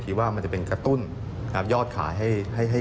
ว่ามันจะเป็นกระตุ้นยอดขายให้